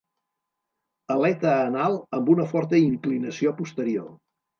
Aleta anal amb una forta inclinació posterior.